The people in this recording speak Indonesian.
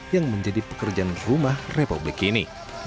yang menjadi pekerjaan rumah republik ini